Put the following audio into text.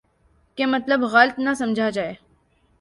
کہ مطلب غلط نہ سمجھا جائے۔